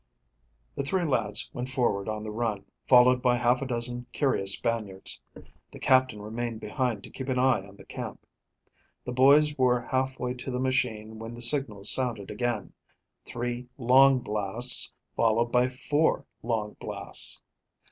The three lads went forward on the run, followed by half a dozen curious Spaniards. The Captain remained behind to keep an eye on the camp. The boys were half way to the machine when the signals sounded again three long blasts, followed by four long blasts.